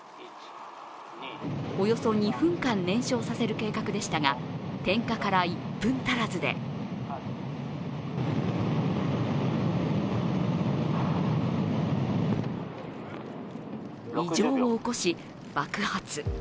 およそ２分間燃焼させる計画でしたが、点火から１分足らずで異常を起こし、爆発。